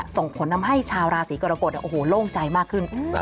ส่งผลทำให้ชาวราศีกรกฎโอ้โหโล่งใจมากขึ้น